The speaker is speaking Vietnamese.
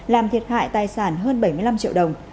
làm thiệt hại tài sản hơn bảy mươi năm triệu đồng